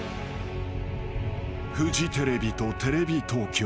［フジテレビとテレビ東京］